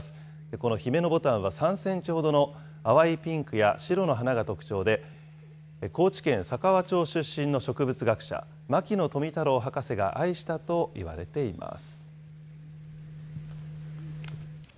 このヒメノボタンは３センチほどの淡いピンクや白の花が特徴で、高知県佐川町出身の植物学者、牧野富太郎博士が愛したといわれています。